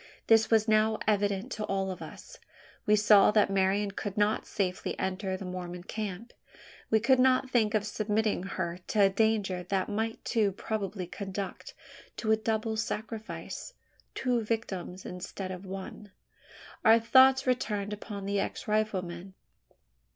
This was now evident to all of us. We saw that Marian could not safely enter the Mormon camp. We could not think of submitting her to a danger that might too probably conduct to a double sacrifice two victims instead of one. Our thoughts turned upon the ex rifleman.